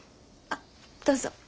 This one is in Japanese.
あっどうぞ。